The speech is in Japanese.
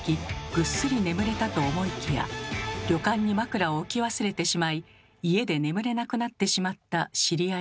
ぐっすり眠れたと思いきや旅館に枕を置き忘れてしまい家で眠れなくなってしまった知り合いがいます。